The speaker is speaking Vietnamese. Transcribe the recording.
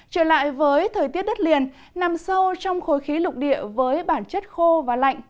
trở lại với thời tiết đất liền nằm sâu trong khối khí lục địa với bản chất khô và lạnh